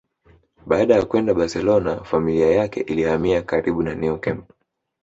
Baada ya kwenda Barcelona familia yake ilihamia karibu na Neo camp